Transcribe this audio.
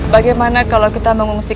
bagaimana kalau kita mengungsi